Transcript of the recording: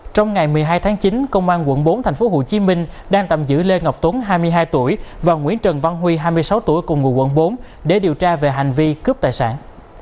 trong ngày một mươi hai tháng chín công an quận bốn tp hcm đang tạm giữ lê ngọc tuấn hai mươi hai tuổi và nguyễn trần văn huy hai mươi sáu tuổi cùng ngụ quận bốn để điều tra về hành vi cướp tài sản